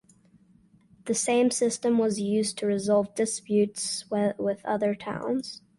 The same system was used to resolve disputes with other towns.